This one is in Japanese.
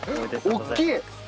大きい！